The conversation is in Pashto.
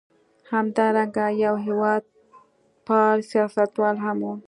همدارنګه یو هېواد پال سیاستوال هم و.